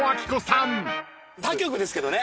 他局ですけどね